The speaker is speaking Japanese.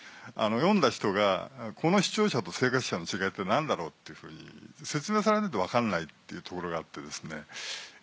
読んだ人がこの「視聴者」と「生活者」の違いってなんだろうっていうふうに説明されないと分からないっていうところがあってですね。